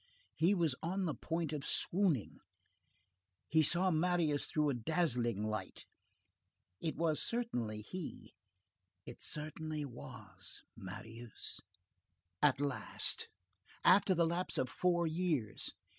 He was on the point of swooning; he saw Marius through a dazzling light. It certainly was he, it certainly was Marius. At last! After the lapse of four years!